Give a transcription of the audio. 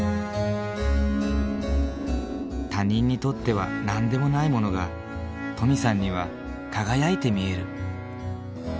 他人にとっては何でもないものが登美さんには輝いて見える。